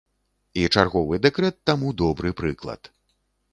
І чарговы дэкрэт таму добры прыклад.